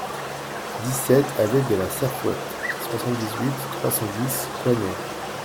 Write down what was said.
dix-sept allée de la Serfouette, soixante-dix-huit, trois cent dix, Coignières